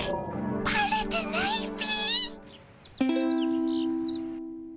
バレてないっピ？